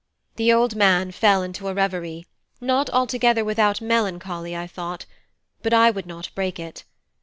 The old man fell into a reverie, not altogether without melancholy I thought; but I would not break it.